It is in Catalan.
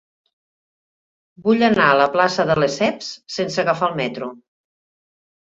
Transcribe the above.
Vull anar a la plaça de Lesseps sense agafar el metro.